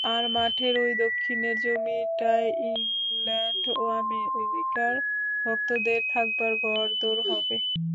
আর মঠের ঐ দক্ষিণের জমিটায় ইংলণ্ড ও আমেরিকার ভক্তদের থাকবার ঘর-দোর হবে।